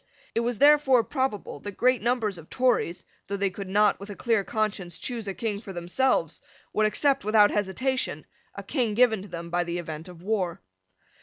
It was therefore probable that great numbers of Tories, though they could not, with a clear conscience, choose a King for themselves, would accept, without hesitation, a King given to them by the event of war.